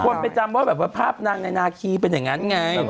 คนไปจำว่าแบบว่าภาพนางในนาคีเป็นอย่างนั้นไง